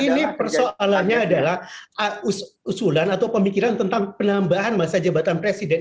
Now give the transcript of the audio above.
ini persoalannya adalah usulan atau pemikiran tentang penambahan masa jabatan presiden